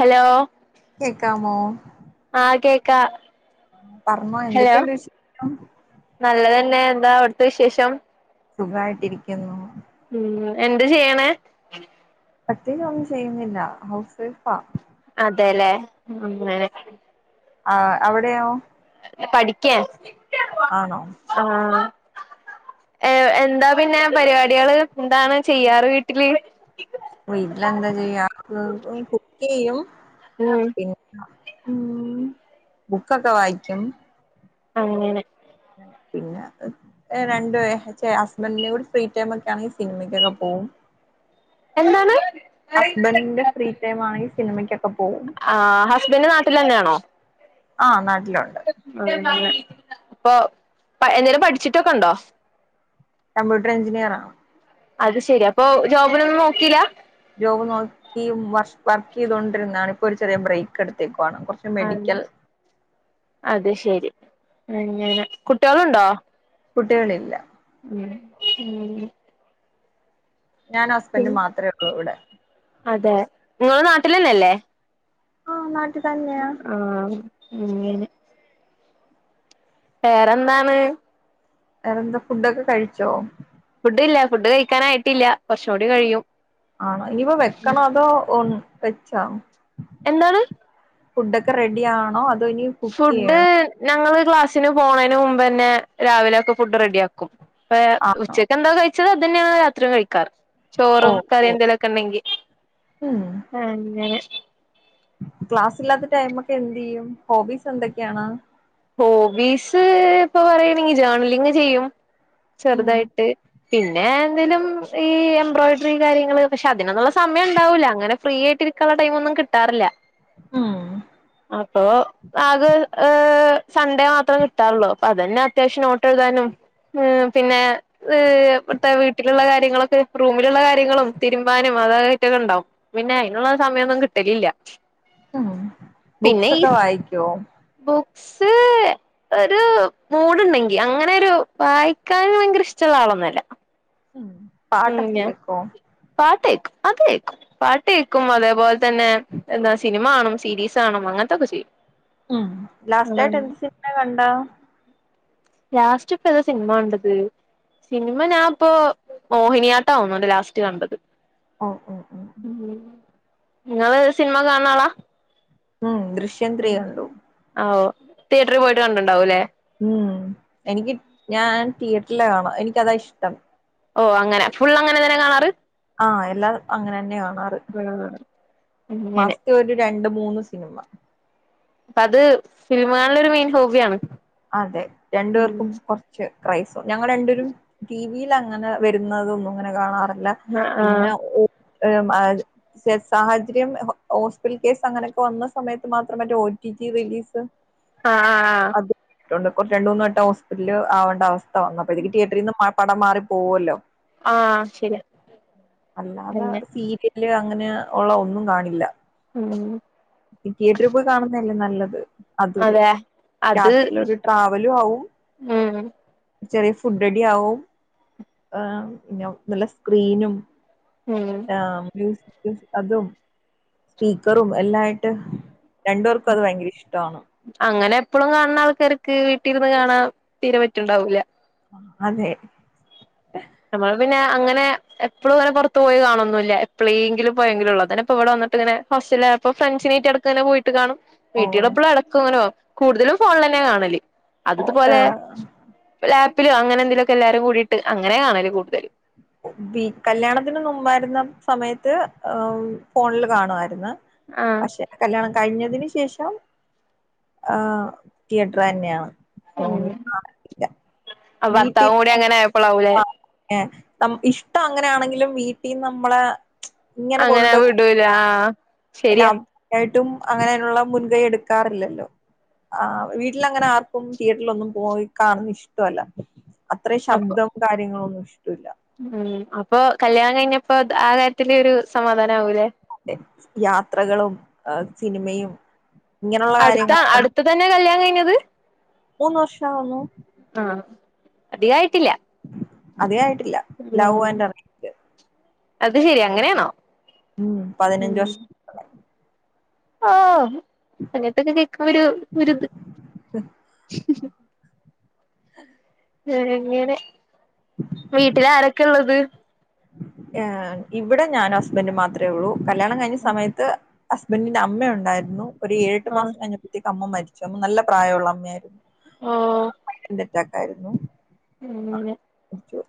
Hello കേൾക്കാമോ ക്കാ hello വിശേഷം നല്ലതന്നെ എന്താ അവിടുത്ത വിശേഷം സുഖായിട്ടിരിക്കുന്നു. ഉം എന്ത് ചെയ്യണേ പ്രത്യേകിച്ചൊന്നും ചെയ്യുന്നില്ല ഹൗസ് വൈഫാ അതെല്ലേ അങ്ങനെ ആ അവിടെയൊ പഠിക്കയാണ് ആണോ ഏ എന്താ പിന്നെ പരിപാടികൾ എന്താണ് ചെയ്യാറ് വീട്ടിൽ വീട്ടിലെന്താ ചെയ്യാ കുക്ക് ചെയ്യും ഉം പിന്നെ മ് ബുക്കൊക്കെ വായിക്കും അങ്ങനെ അങ്ങനെ. പിന്നെ രണ്ടു വെ ചെ ഹസ്ബൻ്റിൻ കൂടെ ഫ്രീ ടൈമൊക്കെയാണെങ്കി സിനിമക്കൊക്കെ പോകും എന്താണ് ഹസ്ബൻഡിന്റെ ഫ്രീ ടൈമാണങ്കി സിനിമക്കൊ ആ ഹസ്ബൻഡ് നാട്ടിലന്നെയാണോ ആ ന്നാ അങ്ങനെ അപ്പൊ ഏതെലും പഠിച്ചിട്ടൊക്കെ ഉണ്ടോ കമ്പ്യൂട്ടർ എഞ്ചിനീയറാണോ അത് ശെരി അപ്പൊ ജോബിനൊന്നും നോക്കില്ല ജോബ് നോക്കി വർഷ് വർക്ക് ചെയ്തോണ്ടിരുന്നാണ് ഇപ്പോ ഒരു ചെറിയ ബ്രേക്കെടുത്തേക്കുവ ആണല്ലേ അതു ശരി അങ്ങനെ കുട്ടികളുണ്ടോ കുട്ടികളില്ല ഉം ഉം ഞാൻ പിന്നെ ഹസ്ബൻഡും മാത്രെയൊള്ളൂ ഇവിടെ അതെ നിങ്ങൾ നാട്ടിലന്നെയല്ലേ ആ ന്ന ആ ഉം വേറെന്താണ് വേറെ ന്താ ഫുഡൊക്കെ കഴിച്ചോ ഫുഡ്ഡില്ല ഫുഡ് കഴിക്കാറായിട്ടില്ല കുറച്ചും കൂടി കഴിയും ആണോ ഇനിപ്പെ വെക്കണൊ അതോ ഒന്ന് വെച്ചോ എന്താണ് ഫുഡൊക്കെ റെഡി ആണോ അതോ ഇനി കുക്ക് ഫുഡ് ചെയ്യണോ ഞങ്ങൾ ക്ലാസ്സിന് പോണേന് മുമ്പ് തന്നെ രാവിലെയൊക്കെ ഫുഡ് റെഡിയാക്കും അപ്പ ആണോ ഉച്ചക്കെന്താ കഴീ [unintelligible] ഓ ചോറും കറിയും ഓ എന്തേലുമൊക്കെ ഉണ്ടെങ്കി ഉം അങ്ങനെ ക്ലാസില്ലാത്ത ടൈം ഒക്കെ എന്ത് ചെയ്യും ഹോബ്ബീസ് എന്തൊക്ക ആണ് ഹോബ്ബീസ് ഇപ്പ പറയുകയാണെങ്കി ജേർണലിങ് ചെയ്യും ഉം ചെറുതായിട്ട് പിന്നെ എന്തേലും ഈ എംബ്രോയിഡറി കാര്യങ്ങൾ പക്ഷേ അതിനൊന്നും ഉള്ള സമയം ഉണ്ടാവൂല്ല അങ്ങനെ ഫ്രീ ആയിട്ട് ഇരിക്കാൻ ടൈം കിട്ടാറില്ല ഉം അപ്പൊ [unintelligible] സൺഡേ മാത്രേ കിട്ടാറുള്ളൂ അപ്പൊ അത്യാവശ്യം നോട്ട് എഴുതാനും പിന്നെ വീട്ടിലുള്ള കാര്യങ്ങളും റൂമിലുള്ള കാര്യങ്ങളും തിരുമ്പാനും ഒക്കെ ഉണ്ടാകും പിന്നെ അതിനുള്ള സമയമെങ്ങും കിട്ടാറില്ല ഉം ബുക്സ് ഒക്കെ വായിക്കുവോ? ബുക്സ് ഒരു മൂഡ് ഉണ്ടെങ്കി അങ്ങനെ ഒരു വായിക്കാൻ ഭയങ്കര ഇഷ്ടമുള്ള ആളൊന്നും അല്ല. പാട്ടൊക്കെ കേൾക്കുമോ? പാട്ട് കേൾക്കും അത് കേൾക്കും പാട്ട് കേൾക്കും അതേപോലെ തന്നെ സിനിമ കാണും സീരീസ് കാണും അങ്ങനൊക്കെ ചെയ്യും. ഉം ലാസ്റ്റയിട്ട് ആഹ് ഏത് സിനിമയാ കണ്ടേ? ലാസ്റ്റ് ഇപ്പ ഏത സിനിമ കണ്ടത് സിനിമ ഞാനിപ്പോ മോഹിനിയാട്ടം എങ്ങോ ലാസ്റ്റ് കണ്ടത്. ഓ ഓഹ് നിങ്ങൾ സിനിമ കാണുന്ന ആളാ ഉം ദൃശ്യം ത്രീ കണ്ടു ആ ഓ തിയറ്ററി പോയിട്ട് കണ്ടിട്ടുണ്ടാവില്ലേ ഉം എനിക്ക് ഞാൻ തിയേറ്റിൽ കാണ എനിക്ക് അതാ ഇഷ്ടം ഓ അങ്ങനെ ഫുൾ അങ്ങനെ തന്നെയാ കാണാറു ആ എല്ലാം അങ്ങനെ തന്നെ കാണാറു അതെ ആഹ് അങ്ങനെ മാസത്തിൽ ഒരു രണ്ട് മൂന്ന് സിനിമ അത് സിനിമ കാണൽ മെയിൻ ഹോബി ആണ്. അതെ രണ്ടു പേർക്കും കുറച്ച് ഞങൾ രണ്ട് പേരും ടിവിയിൽ അങ്ങനെ വരുന്നത് ഒന്നും അങ്ങനെ കാണാറില്ല ല്ല ആഹ് ആഹ് പിന്നെ ഓ സാഹചര്യം ഹോസ്പിറ്റൽ കേസ് അങ്ങനൊക്കെ വന്ന സമയം മറ്റേ ഓ ടി ടി റിലീസ് ആ ആഹ് അത് രണ്ട് മൂന്ന് വട്ടം ഹോസ്പിറ്റലിൽ ആകണ്ട അവസ്ഥ വന്നു അപ്പോ തിയറ്ററിൽ നിന്നും പടം മാറി പോകുവല്ലോ ആ ശരിയാ ങ്ങനെ ഓളവ്ട്ന്നും കാണില ഹ്മ് തിയേറ്ററി പോയി കാണുന്നല്ലേ നല്ലത് അതൊരു അതെ അത് രാത്രിയിലാെരു ട്രാവലും ആവും ഉം ചെറിയ ഫുഡ് അടി ആകും പിന്നെ നല്ല സ്ക്രീനും ഉം ആ അതും സ്പീക്കറും എല്ലായിട്ട്. രണ്ടുപേർക്കും അത് ഭയങ്കര ഇഷ്ടാ പ്പളും കാണുന്ന ആൾക്കാർക്ക് വീട്ടിലിരുന്ന് കാണാൻ തീരെ പറ്റുണ്ടാവൂല്ല അതെ നമ്മള് പിന്നെ അങ്ങനെ എപ്പൊളുങ്ങനെ പൊർത്ത് പോയി കാണൊന്നുല്ല എപ്പളേങ്കിലും പോയങ്കിലൊള്ളു അതന്നപ്പ ഇവിടെ വന്നിട്ടിങ്ങനെ ഹോസ്റ്റലായപ്പൊ ഫ്രണ്ട്സിനട്ട് എട്ക്കങ്ങനെ പോയിട് ട്ട് കാണും ഓ വീട്ടിള്ളപ്പ എട്ക്ക്ങ്ങനോ കൂടുതലും ഫോൺ ലെന്നെ കാണല് ഓ അതിത്പോലെ ഏഹ് ലാ പ്പിലൊ അങ്ങെനെന്തിലുക്കെ എല്ലാരും കൂടിട്ട് അങ്ങനെ കാണല് കൂടുതൽ കല്യാണത്തിന് മുമ്പായിരുന്ന സമയത്ത് ഫോണിൽ കാണുവായിര്ന്ന് ആഹ് പക്ഷെ കല്യാണം കഴിഞ്ഞ തിനു ശേഷം ആ തിയറ്റർ തന്നെയാണ് ഫോണിൽ കാണലില്ല മ്ഹ് വീട്ടിൽ ഭർത്താവും കൂടി അങ്ങനെ ആയപ്പോളാവൂലേ ഇഷ്ടം അങ്ങനാണെങ്കിലും വീട്ടിന് നമ്മള് അങ്ങനെ വിടൂല ആഹ് ശെരിയാ ട്ടും അങ്ങനെയുള്ള മുൻകൈ എടുക്കാറില്ലല്ലോ ആഹ് വീട്ടിലങ്ങനെ ആർക്കും തിയറ്ററിലൊന്നും പോയി കാണുന്നെ ഇഷ്ടല്ല അത്രയും അപ്പൊ ശബ്ദം കാര്യങ്ങളൊന്നും [inaudible] ഉം അപ്പൊ കല്യാണം കഴിഞ്ഞപ്പോ ആ കാര്യത്തിലൊരു സമാധാനം ആവൂലെ അതെയാത്രകളും ആ സിനിമയും ഇങ്ങനെയുള്ള അടുത്ത കാര്യങ്ങൾ അടുത്ത് തന്നെ കല്യാണംകഴി ഞ്ഞത് മൂന്ന് വർഷാവുന്നു അധികായിട്ടില്ല അതെ ആയിട്ട് ഇല്ല ലവ് ആൻഡ് അറേഞ്ച് അത് ശെരി അങ്ങനെയാണോ? ഉം പതിനഞ്ച് വർഷം ഓ അങ്ങനത്തെയൊകെ കേക്കുമ്പോ ഒരിത് [inaudible] ഞാനെങ്ങനെ വീട്ടിലാരൊക്കാ ഇള്ളത് ഏഹ് ഇവടെ ഞാനും ഹസ്ബൻഡും മാത്രള്ളൂ കല്യാണം കഴിഞ്ഞ സമയത്ത് ഹസ്ബന്റിന്റെ അമ്മയുണ്ടായിരുന്നു. ഒരു ഏഴേട്ട് ആഹ് മാസം കഴിഞ്ഞപ്പത്തേക്കും അമ്മ മരിച്ചു അമ്മ നല്ല പ്രയോള്ള അമ്മയായിരുന്നു ഓ കെറ്റാരുന്നു ഇല്ല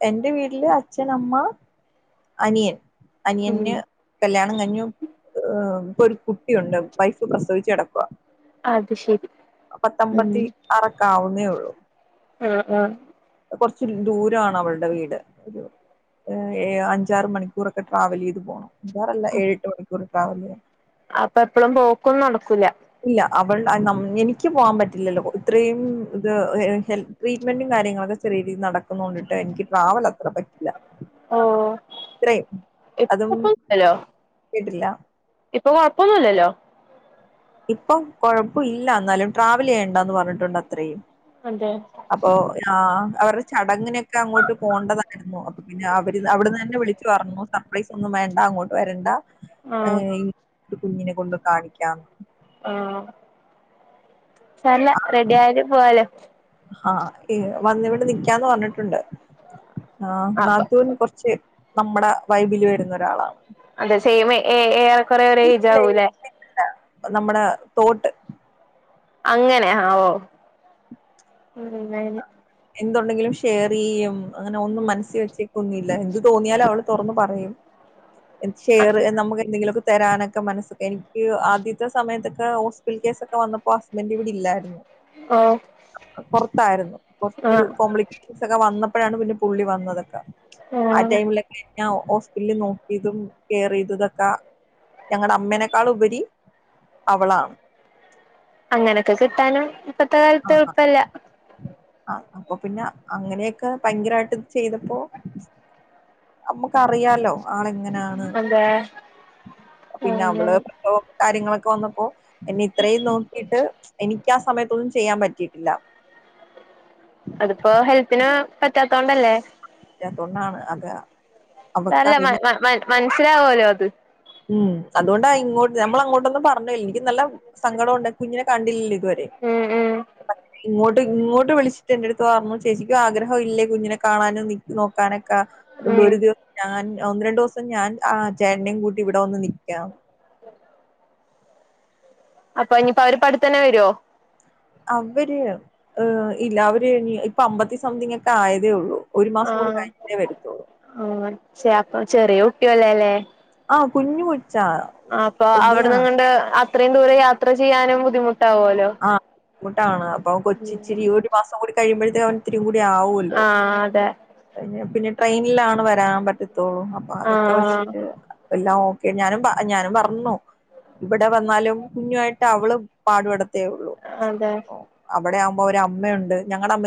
എന്റെ വീട്ടില് അച്ഛൻ അമ്മ അനിയൻ ഉം അനിയന് കല്യാണം കഴിഞ്ഞു ഏഹ് ഒരു കുട് ട്ടിയുണ്ട് വൈഫ്‌ പ്രസവിച്ചു കെട അത് ശരി പത്തബത്തി ആറൊക്കെ ആവുന്നെ ഉള്ളു ആ ആ കൊറച്ച് ദൂരാണ് അവൾടെ വീട് ഏഹ് അഞ്ചാറു മണിക്കൂറൊക്കെ ട്രാവലിയ്തു പോണം ആഞ്ചാറല്ല ഏഴേട്ട് മണി ക്കുർ ഡ്രാവല്ല്ചെയ്യണം അപ്പ എപ്പളും പോക്കും നടക്കൂല ഇല്ല അവൾടെ അ എനിക്ക് പുവാൻ പറ്റില്ലല്ലോ ഒ ഇത്രയും ഇത് ഹെൽത്ത്‌ ട്രീറ്റ്‌മെന്റും കാര്യങ്ങളൊക്കെ ചെറിയ രീതിയിൽ നടക്കുന്നോണ്ട്ട്ടെ എനിക്ക് ട്രാവൽ അത്ര പറ്റില്ല ഓ ആത്രയും ഇപ്പൊ അതും കൊഴപ്പൊന്നുല്ലല്ലോ കേട്ടില്ല ഇപ്പൊ കൊഴപ്പൊന്നുല്ലല്ലോ ഇപ്പൊ കൊഴപ്പില്ല എന്നാലും ട്രാവല്യ്ണ്ടാന്ന് പറഞ്ഞിട്ടുണ്ട് അത്രയും അതെ അപ്പൊ ആ അവരുടെ ചടങ്ങിനൊക്കെ അങ്ങോട്ട് പോണ്ടതായിരുന്നു അപ്പൊ പിന്നെ അവര് അവിടന്നന്നെ വിളിച്ചു പറഞ്ഞു സർപ്രൈസൊന്നും വേണ്ട അങ്ങോട്ട് വരണ്ട ആഹ് ഏഹ് കുഞ്ഞിനെ കൊണ്ട് കാണിക്കാം ആഹ് തന്നെ റെഡ്യായാലും പോവാലോ ആഹ് ഇ വന്നിവിടെ നിക്കാന്ന്‌ പറഞ്ഞിട്ടുണ്ട് ആ അപ്പൊ നാത്തൂൻ കൊറ്ച്ച് നമ്മടെ വൈബില് വരുന്നൊരാളാ അതെ സെമ് ഏ ഏറെ കൊറെ ഒരെ ഏയ്ജ് ഇല്ല ഇല്ല ആവൂല്ലേ നമ്മുടെ തോട്ട് അങ്ങനെ ആഓ എന്തുണ്ടെങ്കിലും ഷെയർ ചെയ്യും അങ്ങനെ ഒും മനസ്സി വെക്കൊന്നി ല്ല എന്ത് തോന്നിയാല അവള് തുറന്ന് പറയും എന്ത് ഷെയറ് നമുക്ക് എന്തെങ്കിലൊക്കെ തരാനൊക്കെ മനസ്സ് എനിക്ക് ആദ്യത്തെ സമയത്തൊക്കെ ഹോസ്പിറ്റൽ കേസ്സൊക്കെ വന്നപ്പോ ഹസ്ബൻഡ് ഇവിടില്ലായിരുന്നു. ആഹ് തായിരുന്നു. ക്കു കോംപ്ലിക്കേഷൻസൊക്കെ വന്ന പ്പഴാണ് പിന്നെ പുള്ളി വന്നതൊക്കെ ആ ആഹ് ടൈമില് ല്ല ഓർ ല്ലി നോക്കിയതും കെയറെയ്തതൊക്കെ ഞങ്ങടെ അമ്മനക്കാളുപരി അവളാണ്. അങ്ങനൊക്കെ കിട്ടാനാ ഇപ്പത്തെ ക്കാല്ത്ത് എള്പ്പല്ല. ആഹ് അപ്പൊ പിന്നെ അങ്ങനൊക്കെ ഭയങ്കരായിട്ട്ത് ചെയ്തപ്പോ നമ്മക്കറിയാലോ. ആള്ങ്ങനാണ് അതെ പിന്നെ അങ്ങനെ അവള് പ്രസവം കാര്യങ്ങളൊക്കെ വന്നപ്പോ എന്നെ ഇത്രേം നോക്കിട്ട് എനി ക്‌യാ സമയത്തൊന്ന് ചെയ്യാൻ പറ്റിയിട്ടില്ല. അത്പ്പോ ഹെൽത്തിന് പറ്റാത്തോണ്ടല്ലേ? തോണ്ടാണ് അതാ നല്ല മയ് മയ് മൈന മൻസ്സിലാവോലോ അത്. ഉം അതോണ്ട ഇങ്ങോട്ട് നമ്മളങ്ങോട്ടൊന്നും പറഞ്ഞു. ഇൻക്ക് നല്ല സങ്കടോണ്ട് കുഞ്ഞിനെ കണ്ടിൽലലി തു വരെ ഉം ഉം ഇങ്ങോട്ട് ട്ട് ഇങ്ങോട്ട് വിളിച്ചിട്ട് എന്റടുത്ത് പറഞ്ഞു ചേചിക്കു ആഗ്രഹവു ഇല്ലേ കുഞ്ഞിനെ കാണാനും നിനോക്കാനൊ ക്ക അതോണ്ട് ഉം ഒരുദി ഞാൻ ഒന്ന് രണ്ടുസ് പ്പ ഞാൻ ആഹ് ചേട്ട്നിം കൂ ഇവിടെ വന്ന് നിക്കാം. അപ്പൊ ഇനിയിപ്പവര് പടുത്തന്നെ വരോ? അവ്വര് ഇല്ലാ അവര് ഇനി അമ്പത്തി സംതിങ്ങൊക്കെ ആയതേ ഒള്ളൂ. ആ ആ ചെപോ ചെറിയ [unintelligible] ആ കുഞ്ഞ് കൊ ആ പ്പൊ അവിടുന്നങ്ങാണ്ട് ആ ഇത്രയും ദൂരം യാത്ര ചെയ്യാനും ബുദ്ധിമു ആ ബുദ്ധിമുട്ടാണ് അപ്പൊ കൊച്ച് ഇച്ചിരുടെ ഒരു മാസം കൂടി കഴിയുമ്പഴത്തേന് അവൻ ഇത്തിരി കൂടി ആകു അല്ലോ ആഹ് അതെ കഴിഞ്ഞ പിന്നെ ട്രെയിനിലാണ് വരാൻ പറ്റ ത്തൊള്ളു അപ്പൊ അതൊക്കെ ആഹ് വെച്ചിട്ട് എല്ലാംഒക്കെ ഞാനും ഞാനും പറഞ്ഞു ഇവിടെ വന്നാലും കുഞ്ഞു ആയിട്ട് അവളും പാടുപെടും ത്തേയുള്ളു അതെ ഒ അ ഇവിടെ ആകമ്പോ ഒരമ്മയുണ്ട്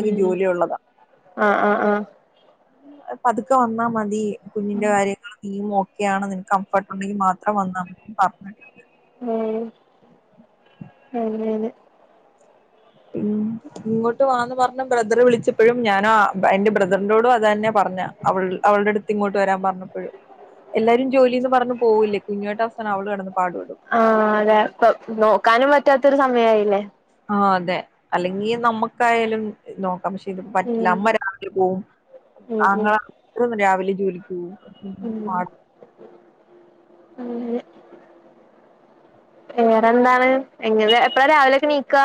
ഉം ആ ആ ആ പതുക്കെ വന്നാ മതി കുഞ്ഞിന്റെ കാര്യങ്ങളും നീയു യാണ് നിനക്ക് കംഫർട്ട് ഒണ്ടെങ്കിൽ മാത്രം വന്നാ മതിന്ന് പറഞ്ഞിട്ടുണ്ട് ഉം അതെ അതെ ഉം ഇങ്ങോട്ട് വാ ന്ന് പറഞ്ഞ് ബ്രദറ് വിളച്ചപ്പഴും ഞാനാ എന്റെ ബ്രദറിനോട് അത് തന്നെയാ പറഞ്ഞെ അവൾ അവൾടെ അടുത്ത് ഇങ്ങോട് വരാൻ പറഞ്ഞപ്പഴ് എല്ലാരും ജോലിന്ന് പറഞ്ഞ് പോകല്ലേ കുഞ്ഞിട്ട [unintelligible] അവള് കെടന്ന് ആ അതെ നോക്കാനും പറ്റാത്ത ഒരു സമയ ആയില്ലേ ആ അതെ അല്ലെങ്കി നമ്മക്കായാലും നോക്ക് [unintelligible] പറ്റില്ല ഉം അമ്മ രാവിലെ പോകും ഉം ഉം ആങ്ങളയ്ക് രാവിലെ ജോലിക്ക് പോകും [unintelligible] മ് അതെ വേറെന്താണ് നിങ്ങള് എപ്പളാ രാവിലൊക്കെ എണീക്കാ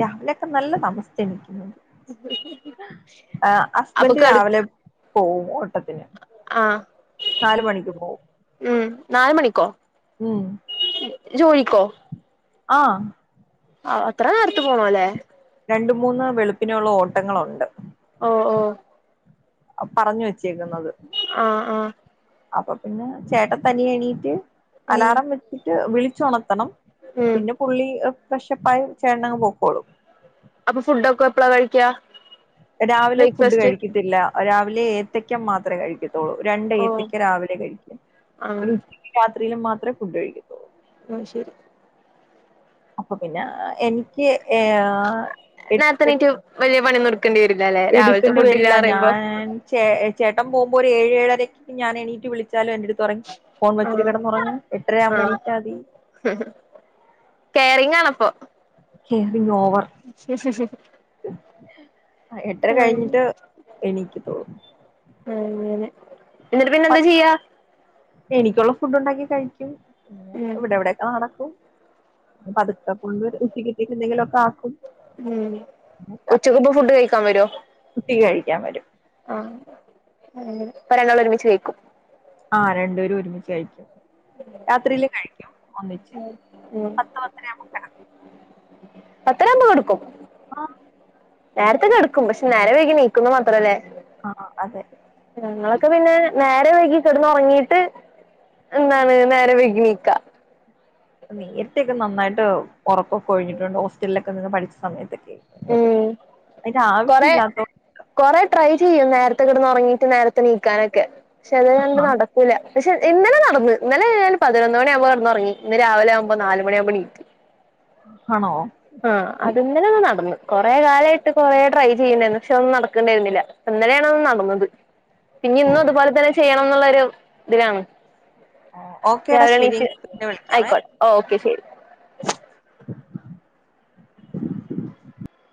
രാവിലൊക്കെ നല്ല താമസിച്ചാ എണിക്കുന്നത് ആ ഹസ്ബെന്റ് രാവിലെ പോം ഓട്ട ആ പോവും ഉം നാലു മണിക്കോ ഉം ജോലിക്കോ ആ അത്ര നേരത്തെ പോണം ല്ലെ രണ്ടു മൂന്ന് വെളിപ്പിനൊള്ള ഓട്ടങ്ങൾ ഒണ്ട് ഓ ഓ പറഞ്ഞു വെ ആ ആ അപ്പൊ പിന്നെ ചേട്ടൻ തനിയെ എണീറ്റ് ഉം അലാറം വെച്ചിട്ട് വിളി ച്ചൊണർ ത്തണം ഉം പിന്നെ പുള്ളി പക്ഷേ [unintelligible] ചേട്ടനങ്ങു പൊക്കോളും അപ്പൊ ഫുഡൊക്കെ എപ്പോളാ കഴിക്ക രാവിലെ ഫുഡ് കഴിക്കത്തില്ല രാവിലെ ഏത്തക്ക മാത്രേ കഴിക്കത്തൊ ള്ളൂ രണ്ട് ഓ ഏത്തക്ക രാവിലെ കഴിക്കും പിന്നെ ആഹ് ഉച്ചക്കും രാത് ത്രിയിലും മാത്രേ ഫുഡ് കഴിക്കത്തൊള്ളൂ അത് ശെരി അപ്പൊ പിന്ന എനിക്ക് ഏ നേർത്തെ എട്ട് എണീറ്റ് വല്യ പണിന്നും ഇട് ക്കേണ്ടി വരില്ലല്ലേ രാവിലത്തെ എടുക്കേണ്ടി വരില്ല ഫുഡിലാന്നറിയുമ്പോ ഞാൻ ചേട്ടൻ പോകുമ്പോ ഒരേഴേഴരക്ക് ഞാൻ എണീറ്റ് വിളിച്ച് ച്ചാലും എന്റടുത്തു പറയും ഫോൺ വെച്ചിട്ട് ആഹ് കിടന്നുറങ്ങ് എട്ടരയാകുമ്പോ ആഹ് എണീറ്റ മതി കെയർ ഷേ ഷേ ഷേ [inaudible] എട്ടര ആഹ് കഴിഞ്ഞിട്ട് എണീക്കത്തോള്ളൂ അങ്ങനെ എന്നിട്ട് പിന്നെന്താ ചെയ്യാ എനിക്കൊളള ഫുഡ് ഉണ്ടാക്കി കഴിക്കും ഉം ഇവിടവിടേക്ക നടക്കും പതുക്ക [unintelligible] ഉച്ചക്ക് ഇച്ചിരി എന്തെങ്കിലും ഒക്കെ ആക്കും ഉച്ചക്ക് അപ്പൊ ഫുഡ് കഴിക്കാൻ വരുവോ ഉച്ചക്ക് കഴിക്കാൻ വരും അപ്പൊ രണ്ടാളും ഒരുമിച്ച് കഴിക്കും ആഹ് രണ്ട് പേരും ഒരുമിച്ച് കഴിക്കും രാത്രിയിലും കഴിക്കും ഒന്നിച്ച് പത്ത് പത്തെര ആകുമ്പോൾ കിടക്കും പത്തെര ആകുമ്പോ കിടക്കും ആഹ് നേരത്തെ കിടക്കും പക്ഷേ നേരം വൈകി എണീക്കുമെന്ന് മാത്രം അല്ലേ ആഹ് അതെ ഞങ്ങളൊക്കെ പിന്നെ നേരം വൈകി കിടന്നുറങ്ങീട്ട് എന്താണ് നേരം വൈകി ണീക്ക നേരത്തെയൊക്കെ നന്നായിട്ട് ഉറക്കൊക്കെ ഒഴിഞ്ഞിട്ടുണ്ട് ഹോസ്റ്റലിൽ നിന്നൊക്കെ പഠിച്ച സമയത്ത് ങ് കൊറേ ഇല്ലാത്തോ കെറേ ട്രൈ ചെയ്യാ നേ നേരത്തെ കിടന്നുറങ്ങീട്ട് നേരത്തെ എണീക്കാനൊക്കെ പക്ഷെ ത് ണ്ട് നടക്കൂല പക്ഷെ ഇന്നലെ നടന്ന് ഇന്നലെ ഞാനൊരു പതിനൊന്ന് മണിയാമ്പം ടന്ന് ഉറങ്ങി ഇന്ന് രാവിലെയാവുമ്പം നാലു മണിയാമ്പം എണീറ്റ്. ആണോ ആ അത് ഇന്നലെങ്ങ് നടന്നു. കൊറേക്കാലായിട്ട് കൊറേ ട്രൈ ചെയ്യുന്നെന്ന് പക്ഷെ ഒന്നും നടക്കുന്നെരുന്നില്ല ഇന്നലെയാണ് ഒന്ന് നടന്നത്. പിന്നെ ഓ ന്നും അതു പോലെ തന്നെ ചെയ്യാ ണ്ണൊന്നുള്ളൊരു ഇതിലാണ് ഓക്കേടാ രാവിലെ ശരി എണീറ്റ് പിന്നെ വിളിക്കാവേ അയിക്കോട്ടെ ഓക്കെ ശരി